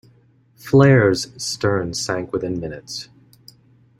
"Flare"s stern sank within minutes.